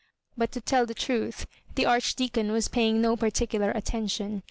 But, to tell the truth, the Archdeacon was paying no particular attention.